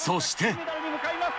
金メダルへ向かいます。